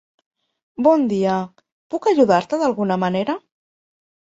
Bon dia, puc ajudar-te d'alguna manera?